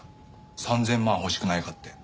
３０００万欲しくないかって。